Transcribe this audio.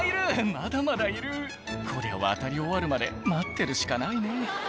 まだまだいるこりゃ渡り終わるまで待ってるしかないね